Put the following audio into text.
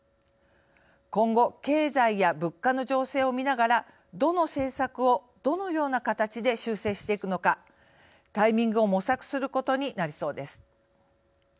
今後経済や物価の情勢をみながらどの政策をどのような形で修正していくのかタイミングを模索することになりそうです。